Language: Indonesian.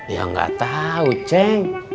ya nggak tahu ceng